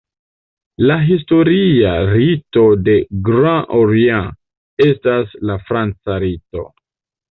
La historia rito de Grand Orient estas la franca rito.